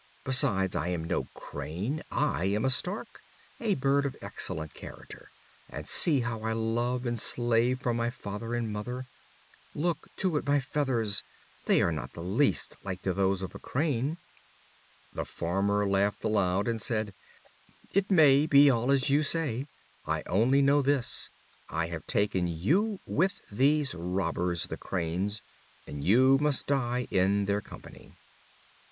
Besides, I am no Crane, I am a Stork, a bird of excellent character; and see how I love and slave for my father and mother. Look too at my feathers, they are not the least like to those of a Crane." The Farmer laughed aloud, and said: "It may be all as you say; I only know this, I have taken you with these robbers, the Cranes, and you must die in their company."